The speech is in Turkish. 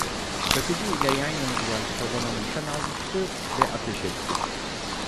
Çakıcı ile yan yana duran çobana nişan almıştı ve ateş etti.